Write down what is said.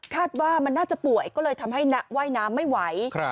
ว่ามันน่าจะป่วยก็เลยทำให้ว่ายน้ำไม่ไหว